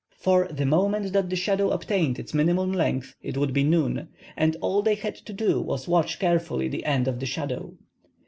For the moment that the shadow obtained its minimum length it would be noon, and all they had to do was to watch carefully the end of the shadow.